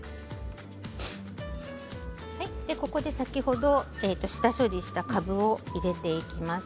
ここで先ほど下処理したかぶを入れていきます。